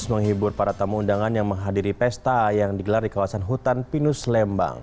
menghibur para tamu undangan yang menghadiri pesta yang digelar di kawasan hutan pinus lembang